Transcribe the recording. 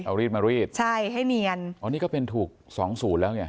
เอารีดมารีดใช่ให้เนียนอ๋อนี่ก็เป็นถูก๒สูตรแล้วเนี่ย